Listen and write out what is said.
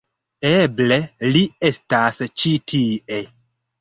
Eble ili estas ĉi tie.